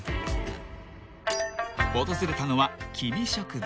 ［訪れたのは］